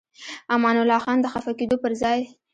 امان الله خان د خفه کېدو پر ځای.